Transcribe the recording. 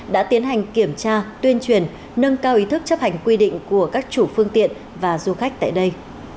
đã tiến hành kiểm tra tuyên truyền nâng cao ý thức chấp hành quy định của các chủ phương tiện và du khách tại đây